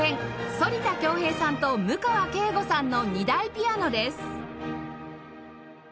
反田恭平さんと務川慧悟さんの２台ピアノです